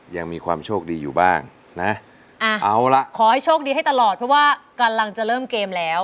ยังมีความโชคดีอยู่บ้างนะเอาล่ะขอให้โชคดีให้ตลอดเพราะว่ากำลังจะเริ่มเกมแล้ว